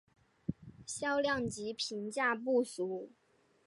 销量及评价不俗。